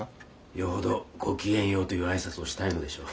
よほど「ごきげんよう」という挨拶をしたいのでしょう。